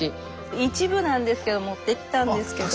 一部なんですけど持ってきたんですけど。